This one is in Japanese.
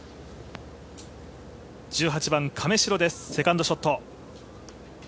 １８番亀代、セカンドショット。